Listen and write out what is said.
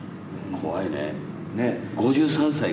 怖いね。